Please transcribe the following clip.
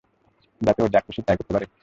যাতে ও যা খুশি তাই করতে পারে?